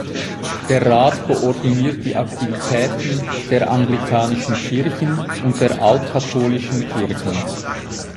Der Rat koordiniert die Aktivitäten der Anglikanischen Kirchen und der Alt-Katholischen Kirchen.